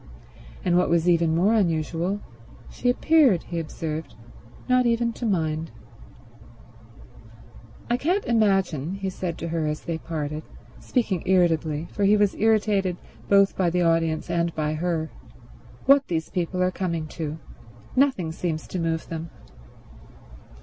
And, what was even more unusual, she appeared, he observed, not even to mind. "I can't imagine," he said to her as they parted, speaking irritably, for he was irritated both by the audience and by her, "what these people are coming to. Nothing seems to move them."